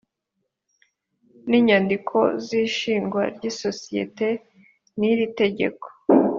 n inyandiko z ishingwa ry isosiyete n iri tegeko